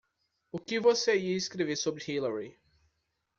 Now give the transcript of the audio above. O que você ia escrever sobre Hillary?